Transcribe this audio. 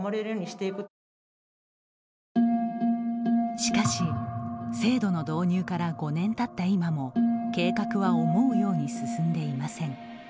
しかし、制度の導入から５年たった今も計画は思うように進んでいません。